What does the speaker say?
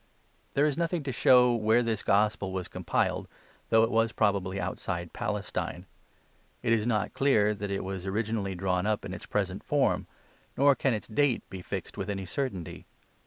There is nothing to show where this gospel was compiled, though it was probably outside Palestine. It is not clear that it was originally drawn up in its present form ; nor can its date be fixed with any certainty.